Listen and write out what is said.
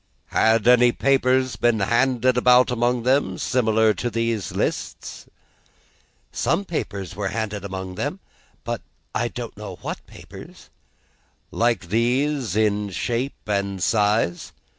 "Had any papers been handed about among them, similar to these lists?" "Some papers had been handed about among them, but I don't know what papers." "Like these in shape and size?"